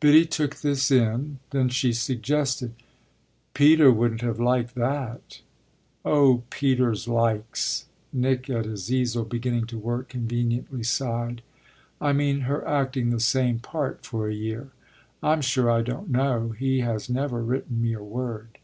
Biddy took this in; then she suggested; "Peter wouldn't have liked that." "Oh Peter's likes !" Nick at his easel, beginning to work, conveniently sighed. "I mean her acting the same part for a year." "I'm sure I don't know; he has never written me a word."